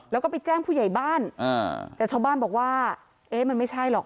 แล้วก็ไปแจ้งผู้ใหญ่บ้านแต่ชาวบ้านบอกว่าเอ๊ะมันไม่ใช่หรอก